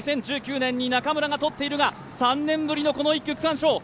２０１９年に中村が取っているが３年ぶりの１区区間賞。